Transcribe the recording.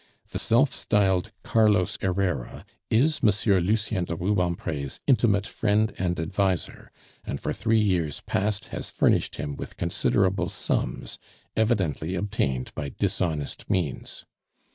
"The self styled Carlos Herrera is Monsieur Lucien de Rubempre's intimate friend and adviser, and for three years past has furnished him with considerable sums, evidently obtained by dishonest means.